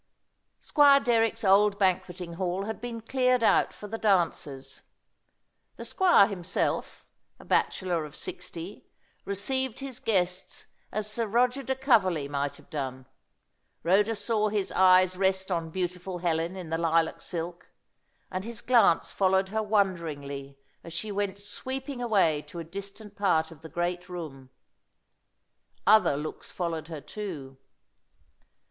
Squire Derrick's old banqueting hall had been cleared out for the dancers. The squire himself, a bachelor of sixty, received his guests as Sir Roger de Coverley might have done. Rhoda saw his eyes rest on beautiful Helen in the lilac silk, and his glance followed her wonderingly as she went sweeping away to a distant part of the great room. Other looks followed her too.